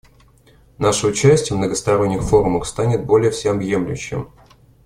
Наше участие в многосторонних форумах станет более всеобъемлющим.